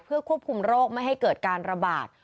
เพื่อควบคุมโรคไม่ให้เกิดการระบาด